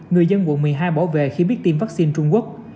người dân quận một mươi hai bỏ về khi biết tiêm vaccine trung quốc